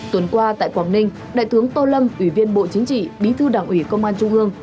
tuần qua tại quảng ninh đại tướng tô lâm ủy viên bộ chính trị bí thư đảng ủy công an trung ương